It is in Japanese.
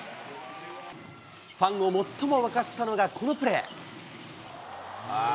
ファンを最も沸かせたのがこのプレー。